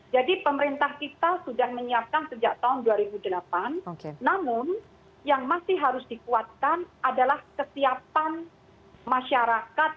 jadi pemerintah kita sudah menyiapkan sejak tahun dua ribu delapan namun yang masih harus dikuatkan adalah kesiapan masyarakat